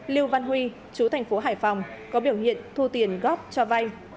lưu văn huy chú tp hải phòng có biểu hiện thu tiền góp cho vai